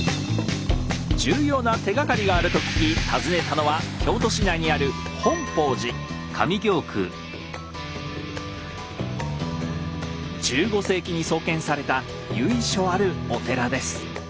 重要な手がかりがあると聞き訪ねたのは京都市内にある１５世紀に創建された由緒あるお寺です。